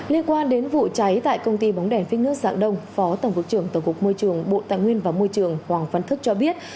liên quan đến vụ cháy tại công ty bóng đèn phích nước dạng đông phó tổng cục trưởng tổng cục môi trường bộ tài nguyên và môi trường hoàng văn thức cho biết